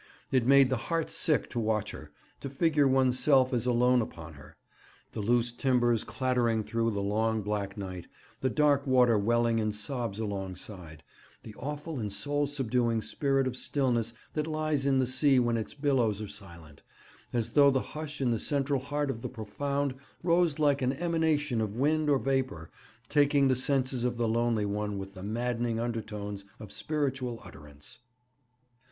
It made the heart sick to watch her, to figure one's self as alone upon her; the loose timbers clattering through the long, black night, the dark water welling in sobs alongside, the awful and soul subduing spirit of stillness that lies in the sea when its billows are silent, as though the hush in the central heart of the profound rose like an emanation of wind or vapour, taking the senses of the lonely one with the maddening undertones of spiritual utterance.